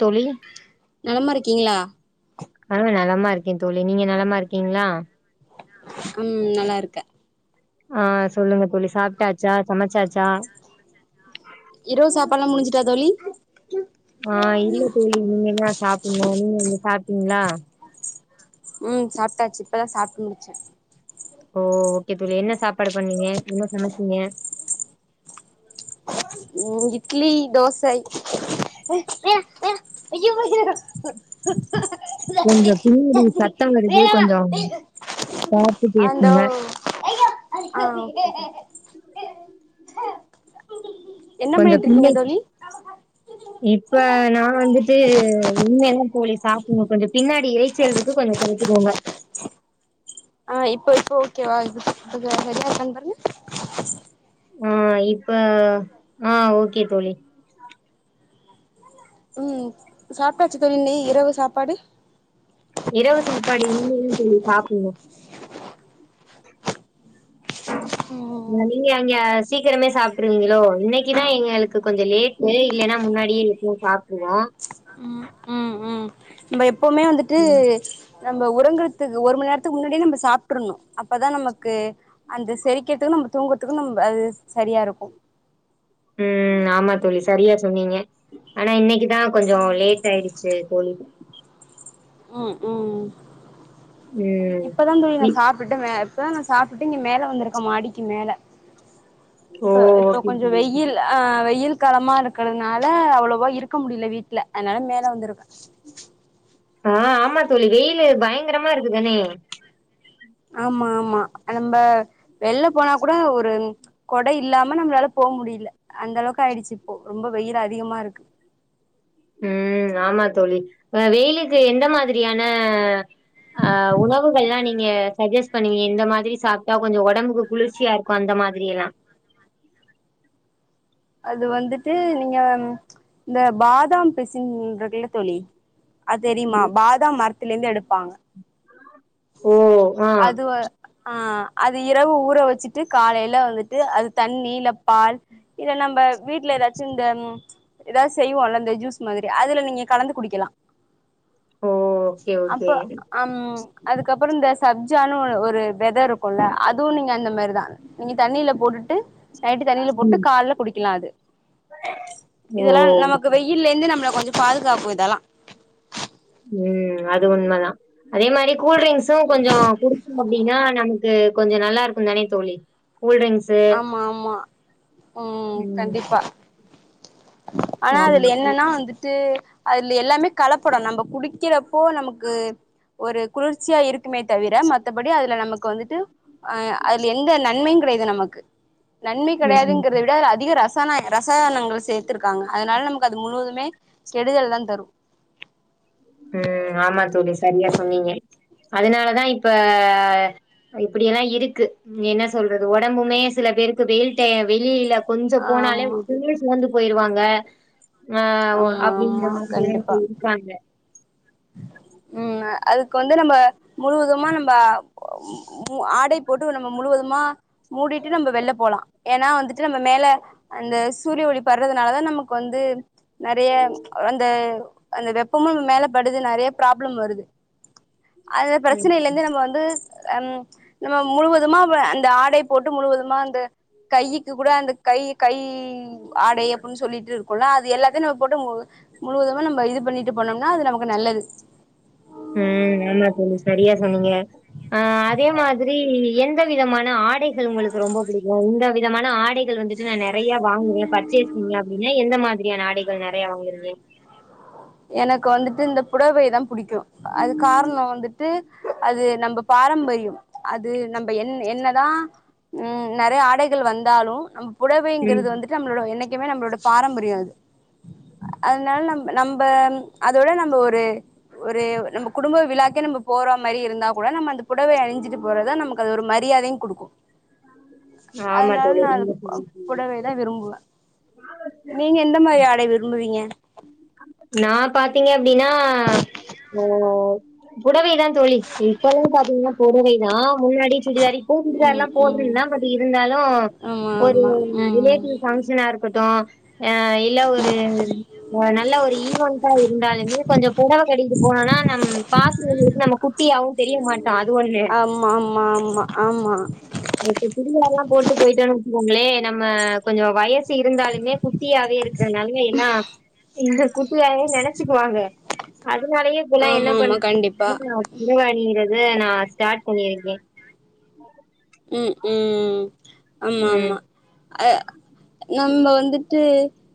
தோழி நலமா இருக்கீங்களா ஆ நலமா இரு இருக்கேன் தோழி நீங்க நலமா இருக்கீங்களா ம் நல்லா இருக்கே ஆஹ் சொல்லுங்க தோழி சாப்ட்டாச் ச்சா சமச்சாச்சா லாம் முடிஞ்சுட்டா தோழி ஆஹ் இல்ல தோழி இனிமேதா சாப்பட்ணும் நீங்க என்ன சாப்டீங்களா உம் சாப்ட்டாச்சு இப்பதான் சாப்ட்டு முடிச்சேன் ஓ ஓகே தோழி என்ன சாப்பாடு பண்ணீங்க என்ன சமச்சீங்க ம் இட்லி தோசை கொஞ்சம் பின்னாடி சத்தம் வருது கொஞ்சம் பார்த்து அந்தோ பேசுங்க ஆ ஓகே என்ன கொஞ்சம் பண்ணிட்டு இருக்கீங்க பின்னாடி தோழி இப்ப நான் வந்துட்டு இனிமேதா தோழி சாப்பிடனும் கொஞ்சம் பின்னாடி இறைச்சல் இருக்கு கொஞ்சம் குறைச்சுக்கோங்க ஆஹ் இப்போ இப்போ ஓகேவா இது ஹா சரியா இருக்கா பாருங்க ஆஹ் இப்ப ஆஹ் ஓகே தோழி உம் சாப்பிட்டாச்சு தோழி நீ இரவு சாப்பாடு இரவ சாப்பாடு இன்னுஇன்னு தோழி சாப்பிடணும் ம் நீங்க அங்க சீக்கிரமே சாப்ட்ருவீங்களோ இன்னைக்குதான் எங்களுக்கு கொஞ்சம் லேட்டு இல்லைன்னா முன்னாடியே எப்பவும் சாப்பிடுவோம் ம் ம் [unintelligible] எப்பவுமே வந்துட்டு நம்ம உறங்கறதுக்கு ஒரு மணி நேரத்துக்கு முன்னாடியே நம்ம சாப்பிட்டுரணும் அப்பதான் நமக்கு அந்த செரிக்கிறதுக்கும் நம்ம தூங்குறதுக்கும் நம்ம அது சரியா இருக்கும் உம் ஆமா தோழி சரியா சொன்னீங்க ஆனா இன்னைக்கு நான் கொஞ்சம் லேட் ஆயிடுச்சு தோழி உம் உம் ம். இப்பதான் தோழி நா இ சாப்பிட்டு இப்போதான் நான் சாப்பிட்டு இங்க மேல வந்திருக்கேன் மாடிக்கு மேல ஓ இ இப்போ ஓகே கொஞ்சம் தோழி. வெயில் அஹ் வெயில் களமா இருக்கிறதுனால அவ்வளவா இருக்க முடியல வீட்டுல அதனால மேல வந்திருக்கேன் ஆஹ் ஆமா தோழி வெயில் பயங்கரமா இருக்குதானே ஆமா ஆமா நம்ம வெளில போனா கூட ஒரு கொடை இல்லாம நம்மளால போக முடியல அந்த அளவுக்கு ஆயிடுச்சு இப்போ ரொம்ப வெயில் அதிகமா இருக்கு உம் ஆமா தோழி வெயிலுக்கு எந்த மாதிரியான ஆஹ் உணவுகள் எல்லாம் நீங்க சஜெஸ்ட் பண்ணுவீங்க எந்த மாதிரி சாப்பிட்டா கொஞ்சம் உடம்புக்கு குளிர்ச்சியா இருக்கும் அந்த மாதிரி எல்லாம் அது வந்துட்டு நீங்க இந்த பாதாம் பிசின்றக்குல்லே தோழி அது தெரியுமா பாதாம் மட் ந்து எடு ப்பாங்க ஓ! ஆ. அது வநஆஹ் அது இரவு ஊற வச்சுட்டு காலையில வந்துட்டு அது தண்ணி இல்ல பால் இத நம்ம வீட்டுல ஏதாச்சும் இந்த ஏதாவது செய்வோம்ல்ல இந்த ஜூஸ் மாதிரி அதுல நீங்க கலந்து குடிக்கலாம் ஓ ஓகே ஓகே அப்ப அம் அதுக்கப்புறம் த சப்ஜான்னு ஒரு வெத இருக்கும்ல்ல அதுவும் நீங்க அந்த மாதிரி தான் நீங்க தண்ணியில போட்டுட்டு நைட்டு தண்ணியில போட்டு ம். குடிக்கலாம் அது ஓ இதெல்லாம் நமக்கு வெயில் இருந்து நம்ம கொஞ்சம் பாதுகாப்பு இதெல்லாம் உம் அது உண்மைதான் அதே மாதிரி கூல் ட்ரிங்க்ஸும் கொஞ்சம் கொடுக்கும் அப்படின்னா நம கொஞ்சம் நல்லா இருக்கும் தானே தோழி கூல்ட்ரிங்க்ஸு ஆமா ஆமா உம் ம் கண்டிப்பா ஆனா அதுல ஆமா என்னன்னா வந்துட்டு அதுல எல்லாமே கலப்படம் நம்ம குடிக்கிறப்போ நமக்கு ஒரு குளிர்ச்சியா இருக்கு மே தவிர மத்தபடி அதுல நமக்கு வந்துட்டு அஹ அதுல எந்த நன்மையும் கிடையாது இது நமக்கு [unintelligible] நன்மை ம் கிடையாதுங்கறத விட அதிக ரசம் ரசாய ரசாயனங்களை சேர்த்துருக்காங்க அதனால நமக்கு அது முழுவதுமே கெடுதல் தான் தரும் உஹம் ஆமா தோழி சரியா சொன்னீங்க அதனாலதான் இப்ப இப்படியெல்லாம் இருக்கு என்ன சொல்றது உடம்புமே சில பேருக்கு வெயில் டைம் வெளியில கொஞ்சம் போனாலே ஒ ஆமா [unintelligible] டனே செவந்துக்கும் போயிருவாங்க ஆஹ ஆமா ஆமா அப்படிங்க மாதிரிய இப்ப கண்டிப்பா இருக்காங்க [unintelligible] [inaudible] [unintelligible] படுது நிறையா ப்ராப்ளம் வருது அந்த ம் பிரச்சனையில இருந்து நம்ம வந்து ம் நம்ப முழுவதுமா அந்த ஆடை போட்டு முழுவதுமா அந்த கையிக்கி கூட அந்த கை கை ஆடை அப்புடினு சொல்லிட்டு இருக்கு அது எல்லாத்தையும் நம்ப போட்டு முழுவதுமா நம்ப இது பண்ணிட்டு போனோம்னா அது நமக்கு நல்லது ஹம் ஆமா தோழி சரியா சொன்னீங்க ஆஹ அதே மாதிரி என் வித விதமான ஆடைகள் உங்களுக்கு ரொம்ப பிடிக்கும் இந்த விதமான ஆடைகள் வந்துட்டு நானு நிறைய வாங்குவேன் பர்ச்சேஸ் பண்ணுவேன் அப்புடன்னா எந்த மாதிரி ஏன் ஆடைகள் நிறைய வாங்குவீங்க எனக்கு வந்துட்டு இந்த புடவை தான் பிடிக்கும் அது காரணம் வந்துட்டு அது நம்ம பாரம்பரியம் அது நம்ம என் என்னதான் உம் நிறைய ஆடைகள் வந்தாலும் நம் ம் புடவைங்கறது வந்துட்டு நம்மளோட என்னைக நம்பளோட பாரம்பரியம் அது அதனால நம் நம்ப நம்ம அதோட நம்ம ஒரு நம்ப குடும்ப விழாக்கே நம்ப போற மாதிரி இருந்தா கூட நம்ப அந்த புடவை அணிச்சிட்டு போறது நமக்கு அது ஒரு மரியாதையும் கொடுக்கும் ஆமா அதனால தோழி நான் அது புடவைதான் விரும்புவேன் [inaudible] [unintelligible] நான் பாத்தீங்க அப்படின்னா புடவைதான் தோழி இப்பல்லாம் பாத்தீங்கன்னா புடவைதான் முன்னாடி சுடிதார் இப்போவும் சுடிதார் ம் எல்லாம் ம் போட்டுட்டுதாயிருந்தேன் பட் இருந்தாலும் ஆமா ஒரு ஆமா ம் ரிலேட்டிவ் பங்க்ஷனா இருக்கட்டும் ஆஹ் இல்ல ஒரு ம் நல்ல ஒரு ஈவன்டா இருந்தாலுமே கொஞ்சம் புடவை கட்டிட்டு போனம்னா நம் பாக்றவங்களுக்கு நம்ம குட்டியாவும் தெரிய மாட்டோம் அது ஒண்ணு ஆமா ஆமா ஆமா ஆமா [unintelligible] போட்டு போயிட்டு வச்சுக்கோங்களே நம்ம கொஞ்சம் வயசு [unintelligible] இருந்தாலுமே குட்டியாவே இருக்கறனால வேன்னா உங்க குட்டியாவே நெனச்சுக்குவாங்க அதுனாலயே இப்பல்லாம் என்ன ஆமா ஆமா கண்டிப்பா பண்றதுனா [unintelligible] ஈரல் அ நான் ஸ்டார்ட் பண்ணிருக்கேன் உம் உம் ஆமா ம். ஆமா அ நம்ம வந்துட்டு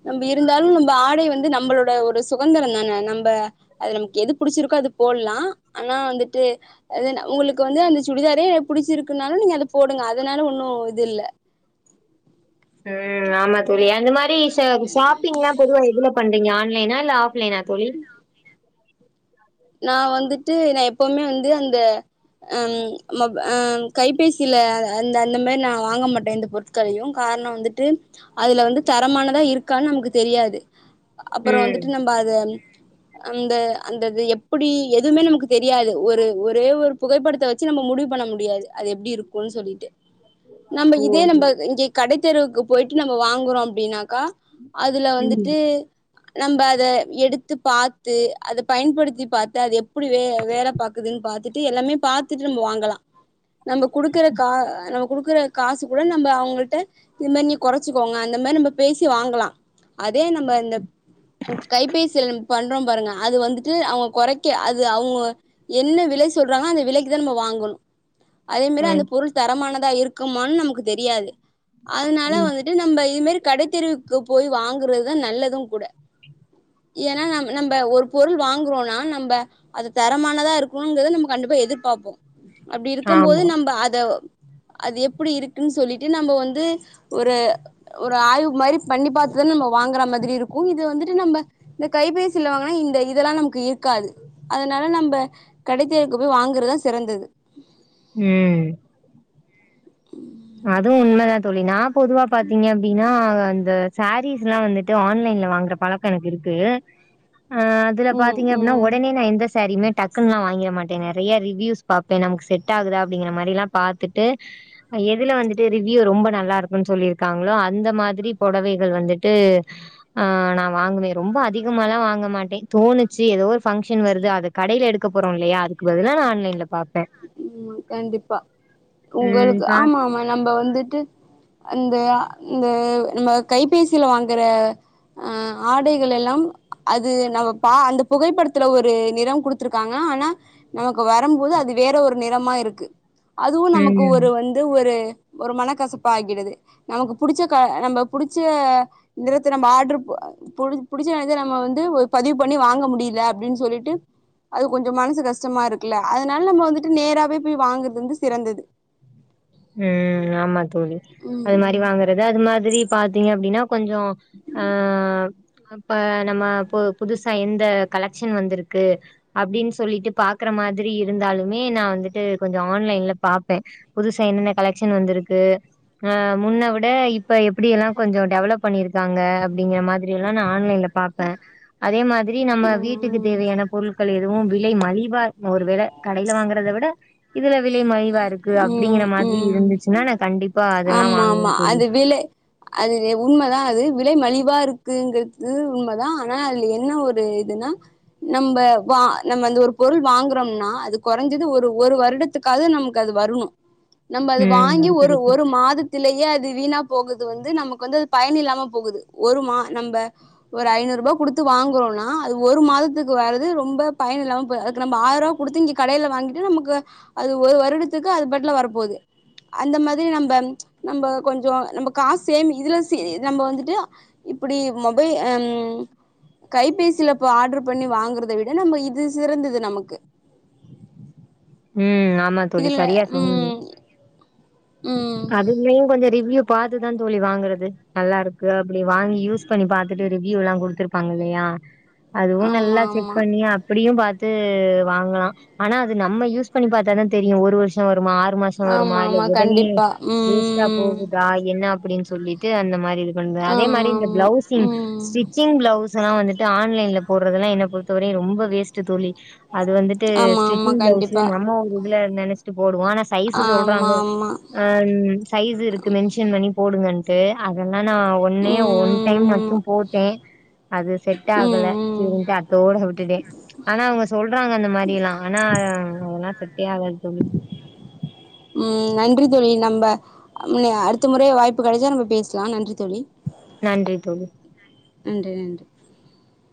நம்ப இருந்தாலும் நம்ப ஆடை வந்து நம்மளோட ஒரு சுகந்திரம் தான நம்ப அது நமக்கு எது புடிச்சிருக்கோ அது போட்லாம் ஆனா வந்துட்டு அது உங்களுக்கு வந்து அந்த சுடிதாரே புடிச்சிருக்குனாலும் நீங்க அது போடுங்க அதுனால ஒன்னும் இது இல்ல ம் ஆமா தோழி அந்த மாரி ஸா ஷாப்பிங்லாம் பொதுவா எதுல பண்றீங்க ஆன்லைனா இல்ல ஆஃப்லைனா தோழி நான் வந்துட்டு நான் எப்பவுமே வந்து அந்த அம் அ கைபேசில அந்த அந்த மாரி நான் வாங்க மாட்டேன் எந்த பொருட்களையும் காரணம் வந்துட்டு அதுல வந்து தரமானதா இருக்கான்னு நமக்கு தெரியாது அப்புறம் ம். வந்துட்டு நம்ப அது அந்த அந்தது எப் எப்டி எதுவுமே நமக்கு தெரியாது ஒரு ஒரே ஒரு புகைப்படத்தை வச்சு நம்ம முடிவு பண்ண முடியாது அது எப்டி இருக்கும்ன்னு சொல்லிட்டு நம்ம ஓ! இதே நம்ப இங்க கடை தெருவுக்கு போயிட்டு நம்ம வாங்குறோம் அப்டின்னா கா அதுல ம். வந்துட்டு நம்ப அத எடுத்து பாத்து அது பயன்படுத்தி பாத்து அது எப் எப்டி வே வேல பாக்குதுன்னு பாத்துட் ட்டு எல்லாமே பாத்துட்டு நம்ம வாங்கலாம் நம்ம குடுக்கற கா நம்ம குடுக்குற காசு கூட நம்ப அவுங்கள்ட்ட இது மாரி நீங்க கொறச்சிக்கோங்க அந்த மாரி நம்ப பேசி வாங்கலாம் அதே நம்ம இந்த கைபேசில நாம பண்றோம் பாருங்க அது வந்துட்டு அவுங்க கொறைக்க அது அவுங்க என்ன விலை சொல்றாங்களோ அந்த விலைக்குதான் நம்ம வாங்கணும் அதே மாரி அந்த ம். பொருள் தரமானதா இருக் க்குமானு நமக்கு தெரியாது அதுனால ம். வந்துட்டு நம்ப இதுமாரி கடை தெருவுக்கு போய் வாங் ங்குருதா நல்லதும் கூட ஏன்னா நாம் நம்ப ஒரு பொருள் வாங்குறோனா நம்ப அது தரமானதா இருக்கணுங்கத நம்ம கண்டிப்பா எதிர்பாப்போம் அப்டி இருக்கும் போது ஆமா. நம்ப அத அது எப்டி இருக்குன் சொல்லிட்டு நம்ம வந்து ஒரு ஒரு ஆய்வு மாரி பண்ணி பாத்துதான் நம்ம வாங்கற மாதிரி இருக்கும் இது வந்து து நம்ம இந்த கைபேசில வாங்குனா இந்த இதெல்லாம் நமக்கு இ இருக்காது அதுனால நம்ம கடைத்தெருவுக்கு போய் வாங்குறதா சிறந்தது ம். அதுவும் உண்மதான் தோழி நா பொதுவா பாத்தீங்க அப்படின்னா இந்த சாரீஸ் எல்லாம் வந்துட்டு ஆன்லைன்ல வாங்கற பழக்கம் எனக்கு இருக்கு ஆஹ் அதுல ம் பாத்தீங்க அப்படனா ம் உடனே நான் எந்த சாறிமே டக்குன்னலாம் வாங்கிட மாட்டேன் நிறையா ரிவியூஸ் பார்ப்பேன் நமக்கு செட் ஆகுதா அப்டிங்கிற மாதிரி எல்லாம் பார்த்தட்டு எதுல வந்துட்டு ரிவ்யூ ரொம்ப நல்லா இருக்குன்னு சொல்லிருக்காங்களோ அந்த மாதிரி புடவைகள் வந்துட்டு ஆஹ் நான் வாங்குவேன் ரொம்ப அதிகமாலாம் வாங்க மாட்டேன் தோணுச்சு ஏதோ ஒரு ஃபங்க்ஷன் வருது அது கடையில எடுக்க போறோம் இல்லையா அதுக்கு பதிலா நான் ஆன்லைன்ல பாப்பேன் உ கண்டிப்பா ம். உங்களுக்கு பா ஆமா ஆமா நம்ப வந்துட்டு அந்த அ நம்ம கைபேசியில வாங்கற ஹ ஆடைகள் எல்லாம் அது நம்ம அந்த புகைப்படத்துல ஒரு நிறம் கொடுத்துருக்காங்க ஆனா நமக்கு வரும்போது அது வேற ஒரு நிறமா இருக்கு அதுவும் நமக்கு ம். ஒரு வந்து ஒரு ஒரு மனக்கசப்பு ஆகிடுது நமக்கு புடிச்ச கநம்ம புடிச்ச இது வரைக்கும் நம்ம ஆர்டர் புடிச்ச நஞ்ச வந்து பதிவு பண்ணி வாங்க முடியல அப்படீன்னு சொல்லிட்டு அது கொஞ்சம் மனசு கஷ்டமா இருக்கல அதனால நம்ம வந்துட்டு நேராவே போய் வாங்கறது வந்து சிறந்தது உம் ஆமா தோழி அது மாதிரி ம் வாங்குறது அது மாதிரி பார்த்தீங்க அப்படின்னா கொஞ்சம் ஆஹ இப்ப நம்ம புதுசா எந்த கலெக்ஷன் வந்திருக்கு அப்படின்னு சொல்லிட்டு பாக்குற மாதிரி இருந்தாலுமே நான் வந்துட்டு கொஞ்சம் ஆன்லைன்ல பார்ப்பேன் புதுச என்னென்ன கலெக்ஷன் வந்திருக்கு முன்ன விட இப்ப எப்படி எல்லாம் கொஞ்சம் டெவலப் பண்ணிருக்காங்க அப்படிங்கிற மாதிரி எல்லாம் நான் ஆன்லைன்ல பாப்பேன் அதே மாதிரி நம்ம ம் வீட்டுக்கு ம் தேவையான பொருட்கள் எதுவும் விலை மலிவா ஒருவேளை கடையில வாங்கறத விட இதுல விலை மலிவாயிருக்கு அப் உம் உம் அதெல்லா ஆமா வாங்குவே ஆமா தோழி அது விலை அது உண்மைதான் அது விலை மலி இருக்குங்கிறது உண்மைதான் ஆனா அதுல என்ன ஒரு இதுனா நம்ம நம்ம அந்த ஒரு பொருள் வாங்கறோம்னா அது குறைஞ்சது ஒரு ஒரு வருடத்துக்காவது நம அது வரணும் நம்ம அது ம் வாங்கி ஒரு கரெக்ட் ஒரு மாதத்திலயே அது வீணா போகுது வந்து நமக்கு வந்து அது பயன் இல்லாம போகுது ஒரு மா நம்ம ஒரு ஐநூறு ரூபா கொடுத்து வாங்குறோம்னா அது ஒரு மாதத்துக்கு வரது ரொம்ப பயன் இல்லாம போகுது அதுக்கு நம் ஆயிரம் ரூபா கொடுத்து இங்க கடையில வாங்கிட்டு நமக்கு அது ஒரு வருட த்துக்கு அது பாட்டுல வரப்போது அந்த மாதிரி நம்ம நம்ம கொஞ்சம் நம்ம காசு சேம் இதுலாம் ச நம்ம வந்துட்டு இப்படி மொபைல்ஹம் கைபேசியிலப்ப ஆர்டர் பண்ணி வாங்குறதை விட நம்ம இது சிறந்தது நமக்கு உம் ஆமா தோழி இதுல சரியா சொன்னே நீ ம் ம் அதுலயும் கொஞ்சம் ரிவ்யூ பார்த்துதான் தோழி வாங்குறது நல்லா இருக்கு அப்படி வாங்கி யூஸ் பண்ணி பாத்துட்டு ரிவ்யூ எல்லாம் குடுத்துருப்பாங்க இல்லையா அதுவும் ஆமா நல்லா ஆமா செக் பண்ணி அப்படியும் பா வாங்கலாம் ஆனா அது நம்ம யூஸ் பண்ணி பார்த்தா தான் தெரியும் ஒரு வருஷமா? ஆறு ஒரு மாசம் வருமா ஆமா இல்ல ஆமா உடனே கண்டிப்பா வேஷ்டா ம் போகுதா? என் என்ன அப்படின்னு சொல்லிட்டு அந்த மாரி இருக்கு பண்றேன் அதே மாரி ஆமா இந்த ஆமா பிளவுசிங் ம் ஸ்டிச்சிங் பிளவுஸ் ல்லாம் வந்துட்டு ஆன்லைன்ல போடுறதெல்லாம் என்ன பொறுத்தவரையும் ரொம்ப வேஸ்ட் தோழி அது வந்துட்டு ஆமா ஆமா ஸ்டிச்சிங் பிளவுஸ் கண்டிப்பா நம்ம ஒரு இல்ல இல்ல நெனச்சிட்டு போ போடுவான் ஆனா சைஸ்ஸு ஆமா சொல்றாங்க ஆமா ஆ சைஸ் இருக்கு மென்ஷன் பண்ணி போடுங்கன்ட்டு அத ஆனா, நான் ஒன்னே ஒன் டைம் ம் ம் மட்டும் போட்டேன் அது செட் ஆகல ம் ம் ம் சேரின்டு அ அத்தோட விட்டுட்டே ஆனா அவுங்க சொல்றாங்க அந்த மாரில்லாம் ஆனா அதல்லாம் செட்டே ஆகாது தோழி ம் நன்றி தோழி நம்ம அடுத்த முற வாய்ப்பு கெடைச்சா நம்ம பேசலாம் நன்றி தோழி நன்றி தோழி நன்றி நன்றி